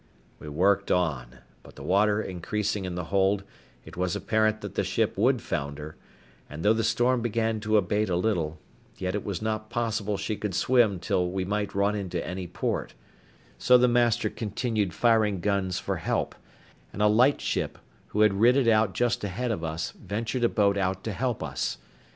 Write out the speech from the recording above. We worked on; but the water increasing in the hold, it was apparent that the ship would founder; and though the storm began to abate a little, yet it was not possible she could swim till we might run into any port; so the master continued firing guns for help; and a light ship, who had rid it out just ahead of us, ventured a boat out to help us.